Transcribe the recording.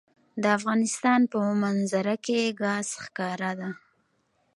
د افغانستان په منظره کې ګاز ښکاره ده.